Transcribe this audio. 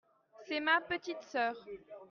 C'est ma petite sœur.